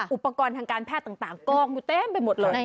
อุปกรณ์ทางการแพทย์ต่างกองอยู่เต็มไปหมดเลย